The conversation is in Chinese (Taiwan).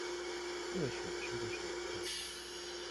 各選區的選票